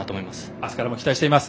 明日からも期待しています